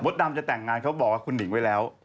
ดำจะแต่งงานเขาบอกว่าคุณหนิงไว้แล้ว